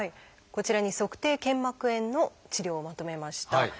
こちらに足底腱膜炎の治療をまとめました。